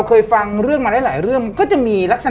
ก็เลยบอก